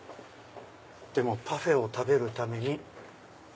でもパフェを食べるために。